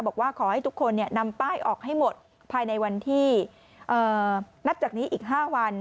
บอกว่าขอให้ทุกคนนำป้ายออกให้หมดภายในวันที่นับจากนี้อีก๕วัน